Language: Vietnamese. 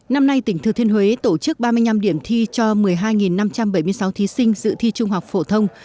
năm nay tỉnh thừa thiên huế tổ chức ba mươi năm điểm thi cho một mươi hai năm trăm bảy mươi sáu thí sinh dự thi trung học phổ thông